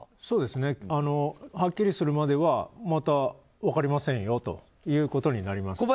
そうですね。はっきりするまではまだ分かりませんよということになります。